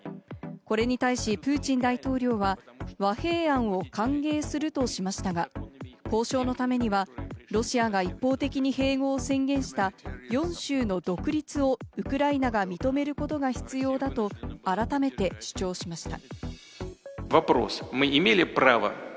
これに対し、プーチン大統領は和平案を歓迎するとしましたが、交渉のためにはロシアが一方的に併合を宣言した４州の独立をウクライナが認めることが必要だと改めて主張しました。